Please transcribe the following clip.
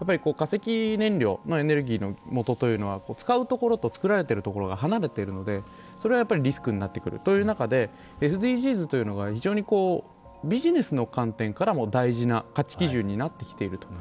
化石燃料のもとというのは、使うところと作られているところが離れているのでそれはリスクになってくるという中で、ＳＤＧｓが非常にビジネスの観点からも大事な価値基準になってきている。